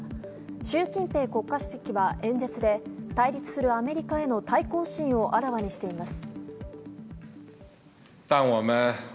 習近平国家主席は、演説で対立するアメリカへの対抗心をあらわにしています。